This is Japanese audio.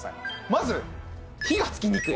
まず火がつきにくい。